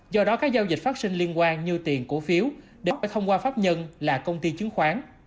do đó các giao dịch phát sinh liên quan như tiền cổ phiếu đều phải thông qua pháp nhân là công ty chứng khoán